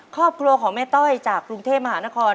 ครอบครัวของแม่ต้อยจากกรุงเทพมหานคร